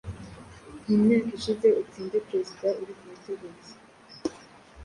mu myaka ishize utsinze perezida uri ku butegetsi,